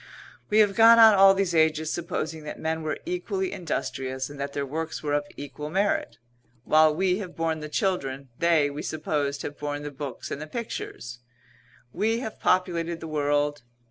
We have gone on all these ages supposing that men were equally industrious, and that their works were of equal merit. While we have borne the children, they, we supposed, have borne the books and the pictures. We have populated the world.